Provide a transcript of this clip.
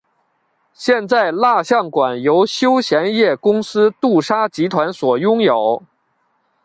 现在蜡像馆由休闲业公司杜莎集团所拥有。